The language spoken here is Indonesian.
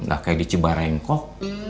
gak kayak di cibarangkok